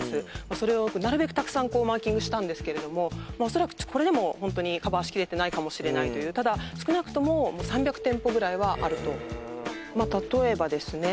それをなるべくたくさんこうマーキングしたんですけれども恐らくこれでもホントにカバーしきれてないかもしれないというただ少なくとも３００店舗ぐらいはあるとへえまあ例えばですね